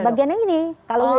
bagian depannya gimana dok